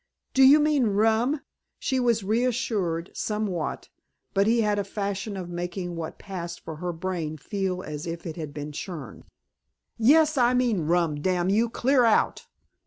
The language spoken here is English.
"Do you mean rum?" She was reassured, somewhat, but he had a fashion of making what passed for her brain feel as if it had been churned. "Yes, I mean rum, damn you. Clear out."